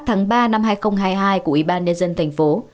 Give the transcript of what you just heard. tháng ba năm hai nghìn hai mươi hai của ubnd tp